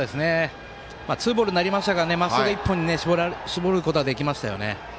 ツーボールになりましたからまっすぐ１本に絞ることはできましたよね。